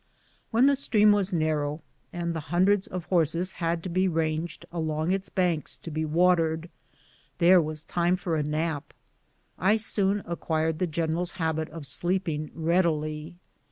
When the stream was narrow, and the hundreds of horses had to be ranged along its banks to be watered, there was time for a nap. I soon acquired the general's habit of sleeping readily.